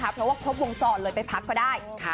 เพราะว่าครบวงจรเลยไปพักก็ได้